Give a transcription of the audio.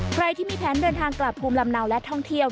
ใครที่มีแผนเดินทางกลับภูมิลำเนาและท่องเที่ยว